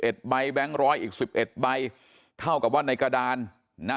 ใบแบงค์ร้อยอีกสิบเอ็ดใบเท่ากับว่าในกระดานนะ